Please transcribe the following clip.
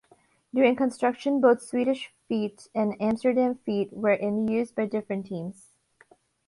During construction both Swedish feet and Amsterdam feet were in use by different teams.